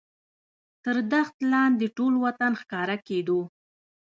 تر دښت لاندې ټول وطن ښکاره کېدو.